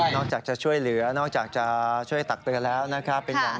อกจากจะช่วยเหลือนอกจากจะช่วยตักเตือนแล้วนะครับ